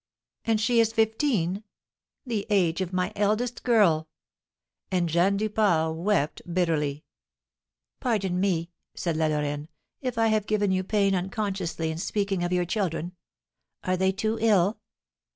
"And she is fifteen? The age of my eldest girl!" And Jeanne Duport wept bitterly. "Pardon me," said La Lorraine, "if I have given you pain unconsciously in speaking of your children! Are they, too, ill?"